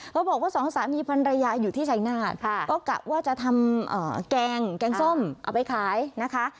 บอกว่าสองสามีพันรยาอยู่ที่ชายนาฏก็กะว่าจะทำแกงส้มเอาไปขายนะคะ